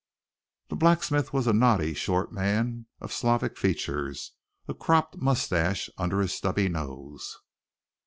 The blacksmith was a knotty short man of Slavic features, a cropped mustache under his stubby nose.